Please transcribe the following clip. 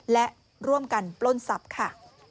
และร่วมกันปล้นทรัพย์ค่ะ